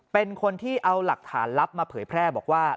เป็นคนที่เอาหลักฐานลับมาเผยแพร่บอกว่า